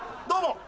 どうも！